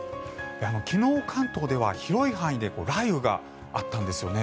昨日、関東では広い範囲で雷雨があったんですよね。